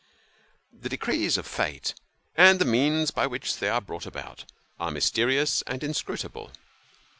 The decrees of Fate, and the means by which they are brought about, are mysterious and inscrutable.